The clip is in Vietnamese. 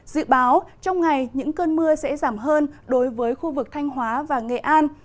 dự báo trong ngày những cơn mưa sẽ giảm hơn đối với khu vực thanh hóa và nghệ an